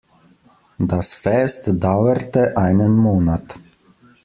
Das Fest dauerte einen Monat.